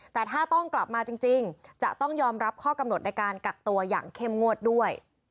แต่ถ้าต้องกลับมาจริงจะต้องยอมรับข้อกำหนดในการกักตัวอย่างเข้มงวดด้วย